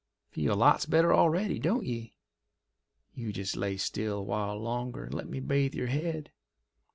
Feel lots better already, don't ye! You just lay still a while longer and let me bathe your head.